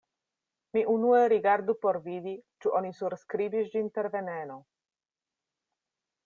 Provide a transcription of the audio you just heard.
Mi unue rigardu por vidi ĉu oni surskribis ĝin per veneno.